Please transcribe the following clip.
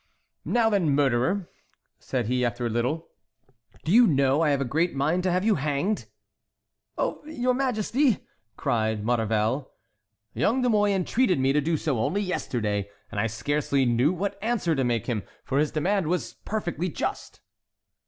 "Now, then, murderer!" said he after a little, "do you know I have a great mind to have you hanged?" "Oh, your Majesty!" cried Maurevel. "Young De Mouy entreated me to do so only yesterday, and I scarcely knew what answer to make him, for his demand was perfectly just."